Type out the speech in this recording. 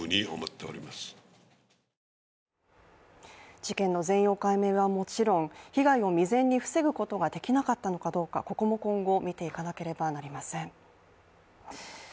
事件の全容解明はもちろん、被害を未然に防ぐことはできなかったのかどうか、ここも今後見ていかなければなりません。